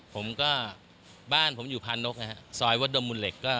ผมก็บ้านผมอยู่พานกซอยวัดดวงบุญเหล็ก